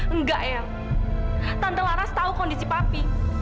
enggak ya tante laras tahu kondisi papi